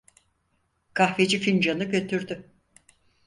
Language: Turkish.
Kahveci fincanı götürdü.